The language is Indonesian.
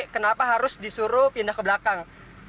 kenapa harus disuruh pindah ke belakang